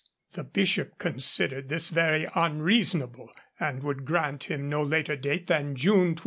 The Bishop considered this very unreasonable, and would grant him no later date than June 23.